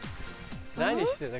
何してんだ？